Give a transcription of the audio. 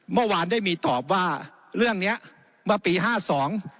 เมื่อวานได้มีตอบว่าเรื่องเนี้ยเมื่อปีห้าสอง